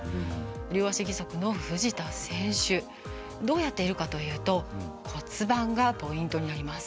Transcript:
両足義足の藤田選手どうやっているかというと骨盤がポイントになります。